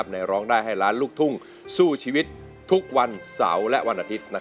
ร้องได้ให้ล้านลูกทุ่งสู้ชีวิตทุกวันเสาร์และวันอาทิตย์